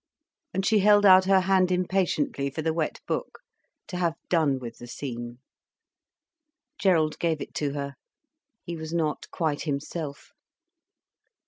And she held out her hand impatiently for the wet book, to have done with the scene. Gerald gave it to her. He was not quite himself.